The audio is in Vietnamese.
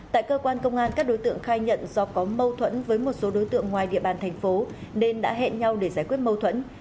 tại cơ quan công an các đối tượng khai nhận do có mâu thuẫn với một số đối tượng ngoài địa bàn thành phố nên đã hẹn nhau để giải quyết mâu thuẫn